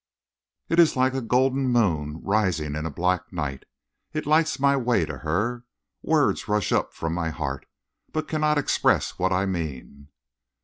It is like a golden moon rising in a black night. It lights my way to her. Words rush up from my heart, but cannot express what I mean!"